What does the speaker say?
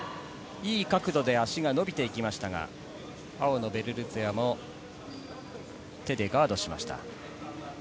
いい角度で足が伸びていきましたが、青のベルルツェワも手でガードしました。